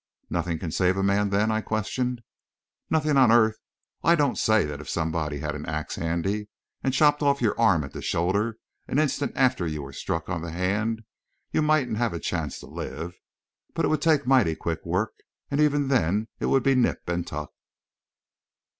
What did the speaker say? "Nothing can save a man, then?" I questioned. "Nothing on earth. Oh, I don't say that if somebody had an axe handy and chopped your arm off at the shoulder an instant after you were struck on the hand, you mightn't have a chance to live; but it would take mighty quick work, and even then, it would be nip and tuck.